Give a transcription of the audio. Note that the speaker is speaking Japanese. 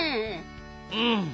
うん。